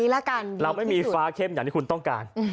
เราไม่มีฟ้าเข้มอย่างที่คุณต้องการ